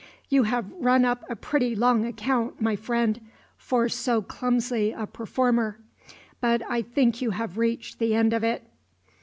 You have run up a pretty long account, my friend, for so clumsy a performer; but I think you have reached the end of it."